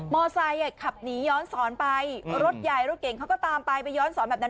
ไซค์ขับหนีย้อนสอนไปรถใหญ่รถเก่งเขาก็ตามไปไปย้อนสอนแบบนั้น